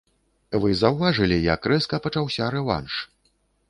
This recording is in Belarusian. Вы заўважылі, як рэзка пачаўся рэванш?